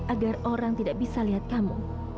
agar orang tidak bisa lihat kamu